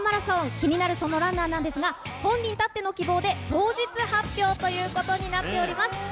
気になるそのランナーなんですが、本人たっての希望で、当日発表ということになっております。